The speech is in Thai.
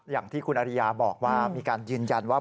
อย่างที่คุณอริยาบอกว่ามีการยืนยันว่า